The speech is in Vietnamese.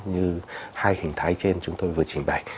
như hai hình thái trên chúng tôi vừa trình bày